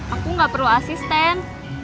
aku gak perlu asisten